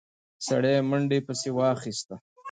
سړي منډه پسې واخيسته.